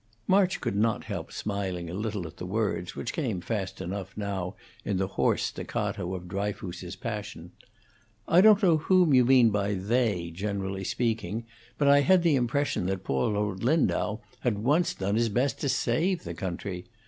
March could not help smiling a little at the words, which came fast enough now in the hoarse staccato of Dryfoos's passion. "I don't know whom you mean by they, generally speaking; but I had the impression that poor old Lindau had once done his best to save the country.